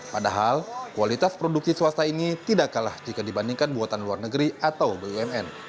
padahal kualitas produksi swasta ini tidak kalah jika dibandingkan buatan luar negeri atau bumn